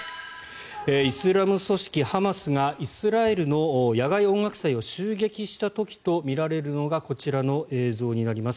イスラム組織ハマスがイスラエルの野外音楽祭を襲撃した時とみられるのがこちらの映像になります。